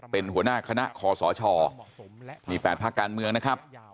เป็นหัวหน้าคณะคอสชนี่๘ภาคการเมืองนะครับ